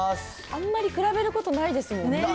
あんまり比べることないですもんね。